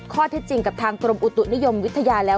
ข้อเท็จจริงกับทางกรมอุตุนิยมวิทยาแล้ว